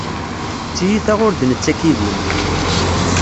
D tiyita ur d-nettak idim.